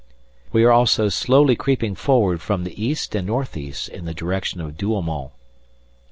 We are also slowly creeping forward from the east and north east in the direction of Douaumont.